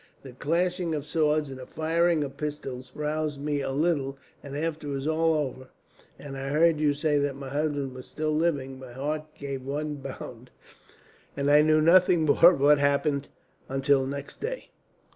The clashing of swords and the firing of pistols roused me a little, and after it was all over, and I heard you say that my husband was still living, my heart gave one bound, and I knew nothing more of what happened until next day."